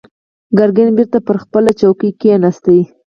ګرګين بېرته پر خپله څوکۍ کېناست.